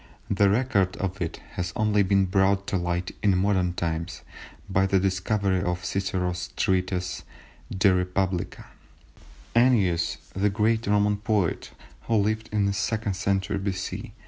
The record of it has only been brought to light in modern times by the discovery of Cicero's Treatise, De Republicâ. According to Cicero, Ennius the great Roman poet, who lived in the second century B.C.